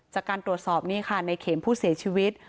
จากการตรวจสอบนี่ค่ะในเข็มผู้เสียชีวิต